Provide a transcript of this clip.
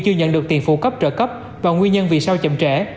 chưa nhận được tiền phụ cấp trợ cấp và nguyên nhân vì sao chậm trễ